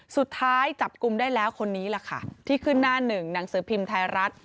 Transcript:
สุดท้ายจับกลุ่มได้แล้วคนนี้แหละค่ะที่ขึ้นหน้าหนึ่งหนังสือพิมพ์ไทยรัฐ